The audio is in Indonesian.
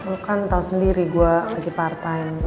lo kan tau sendiri gua lagi part time